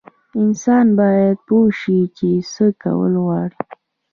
انسان باید پوه شي چې څه کول غواړي.